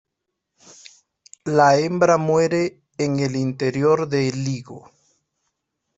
La hembra muere en el interior del higo.